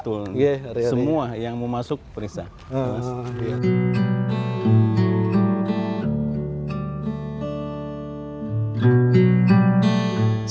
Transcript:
betul semua yang mau masuk periksa